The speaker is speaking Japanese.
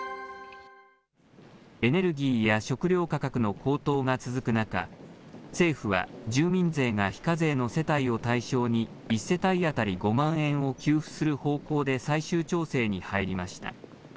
エネルギーや食料価格の高騰が続く中、政府は住民税が非課税の世帯を対象に、１世帯当たり５万円を給付する方向で最終調整に入りました。